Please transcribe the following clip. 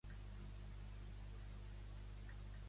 En Melrosada havia compartit mai taula amb els Buxareu?